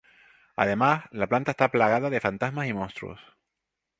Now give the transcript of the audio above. Además, la planta está plagada de fantasmas y monstruos.